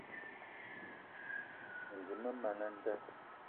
Mendim man a nda.